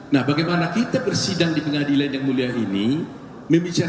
nah bagaimana kita bersidang di pengadilan yang mulia ini